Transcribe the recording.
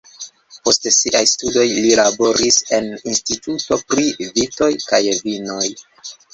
Post siaj studoj li laboris en instituto pri vitoj kaj vinoj.